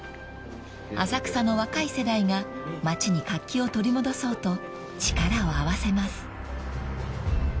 ［浅草の若い世代が街に活気を取り戻そうと力を合わせます］